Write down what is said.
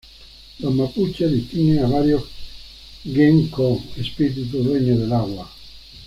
Los Mapuches distinguen a varios Ngen-ko, espíritu dueño del agua.